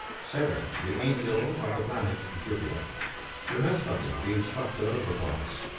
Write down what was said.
(7.) The angel of the planet Jupiter. — Vrihaspati, the Instructor of the gods.